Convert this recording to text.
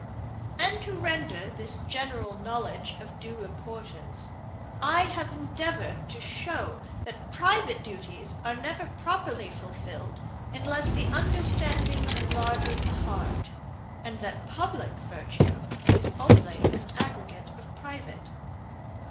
And to render this general knowledge of due importance, I have endeavoured to show that private duties are never properly fulfilled, unless the understanding enlarges the heart; and that public virtue is only an aggregate of private.